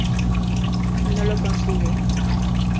No lo consigue.